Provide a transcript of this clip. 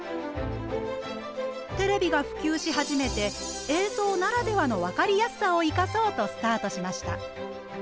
テレビが普及し始めて映像ならではの分かりやすさをいかそうとスタートしました。